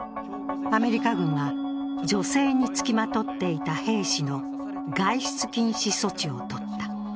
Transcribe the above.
アメリカ軍は女性につきまとっていた兵士の外出禁止措置をとった。